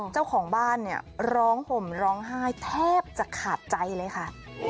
เจ้าของบ้านเนี่ยร้องห่มร้องไห้แทบจะขาดใจเลยค่ะ